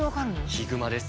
ヒグマです。